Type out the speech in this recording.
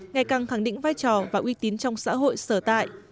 ngày càng khẳng định vai trò và uy tín trong xã hội sở tại